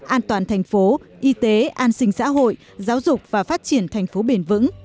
an toàn thành phố y tế an sinh xã hội giáo dục và phát triển thành phố bền vững